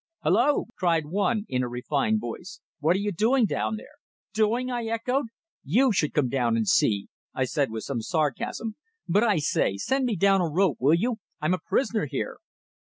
"Hulloa!" cried one in a refined voice, "what are you doing down there?" "Doing!" I echoed, "you should come down and see!" I said with some sarcasm. "But, I say! Send me down a rope, will you? I'm a prisoner here."